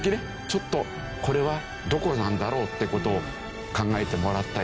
ちょっとこれはどこなんだろう？って事を考えてもらったり。